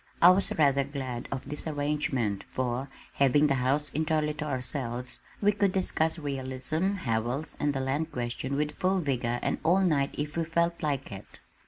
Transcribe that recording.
I was rather glad of this arrangement for, having the house entirely to ourselves, we could discuss realism, Howells and the land question with full vigor and all night if we felt like it.